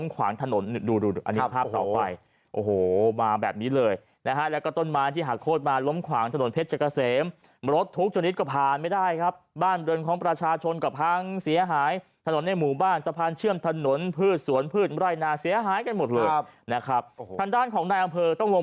กลิ่มลดทุกจนทีก็ผ่านไม่ได้ครับบ้านเดินของประชาชนกระพังเสียหายถน